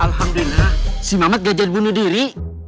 alhamdulillah si mamat gak jadi bunuh diri